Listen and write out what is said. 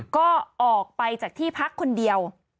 ก็ออกไปจากที่พักคนเดียว